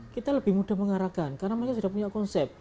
kita lebih mudah mengarahkan karena mereka sudah punya konsep